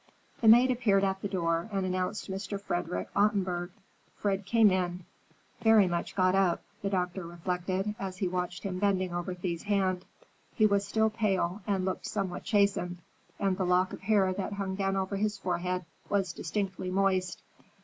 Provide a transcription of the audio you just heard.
The maid appeared at the door and announced Mr. Frederick Ottenburg. Fred came in, very much got up, the doctor reflected, as he watched him bending over Thea's hand. He was still pale and looked somewhat chastened, and the lock of hair that hung down over his forehead was distinctly moist.